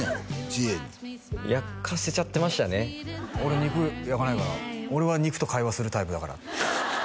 時英に焼かせちゃってましたね「俺肉焼かないから俺は肉と会話するタイプだから」